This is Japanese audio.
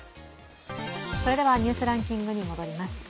それではニュースランキングに戻ります。